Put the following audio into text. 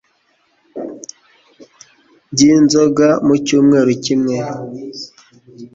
byinzoga mu cyumweru kimwe –